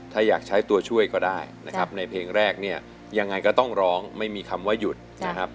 ถ้าอยากใช้ตัวช่วยก็ได้นะครับในเพลงแรกเนี่ยยังไงก็ต้องร้องไม่มีคำว่าหยุดนะครับ